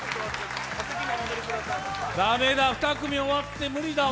駄目だ、２組終わって無理だわ。